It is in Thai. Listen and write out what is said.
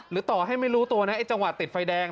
ต่อให้ไม่รู้ตัวนะไอ้จังหวะติดไฟแดง